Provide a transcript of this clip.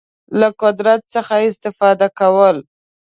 له قدرت څخه استفاده کوله.